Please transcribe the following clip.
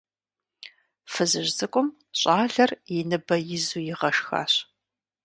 Фызыжь цӀыкӀум щӀалэр и ныбэ изу игъашхащ.